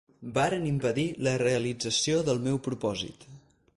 Varen impedir la realització del meu propòsit.